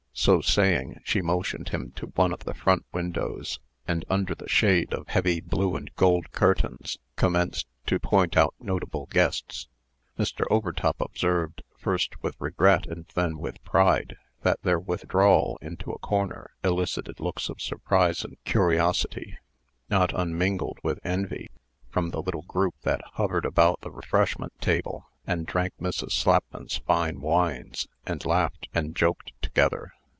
So saying, she motioned him to one of the front windows, and, under the shade of heavy blue and gold curtains, commenced to point out notable guests. Mr. Overtop observed, first with regret and then with pride, that their withdrawal into a corner elicited looks of surprise and curiosity, not unmingled with envy, from the little group that hovered about the refreshment table, and drank Mrs. Slapman's fine wines, and laughed and joked together.